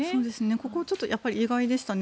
ここはちょっと意外でしたね。